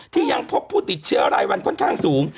ยังพบผู้ติดเชื้อรายวันค่อนข้างสูง